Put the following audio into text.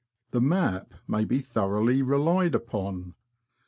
The Map may be thoroughly relied upon.